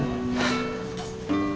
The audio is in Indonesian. pak i haltul terakhir